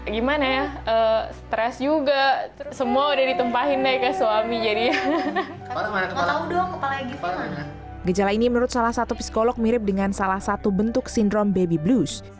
gejala ini menurut salah satu psikolog mirip dengan salah satu bentuk sindrom baby blues